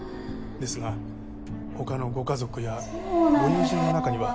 ですが他のご家族やご友人の中には。